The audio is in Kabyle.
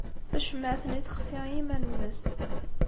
Tacemmaɛt-nni texsi i yiman-nnes.